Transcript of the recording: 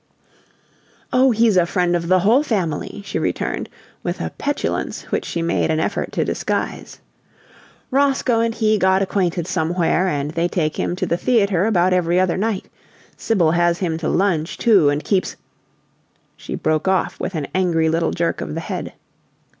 "Oh, he's a friend of the whole family," she returned, with a petulance which she made an effort to disguise. "Roscoe and he got acquainted somewhere, and they take him to the theater about every other night. Sibyl has him to lunch, too, and keeps " She broke off with an angry little jerk of the head.